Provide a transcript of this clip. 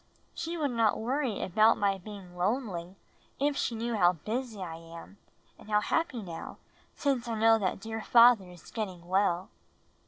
She would not worry about my being lonely if she knew how busy I am, and how happy now since I know that dear father is getting well."